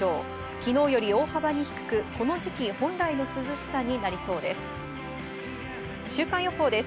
昨日より大幅に低く、この時期本来の涼しさになりそうです。